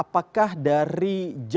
apakah dari jadwalnya itu